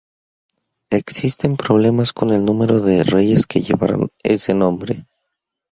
Existen problemas con el número de reyes que llevaron ese nombre.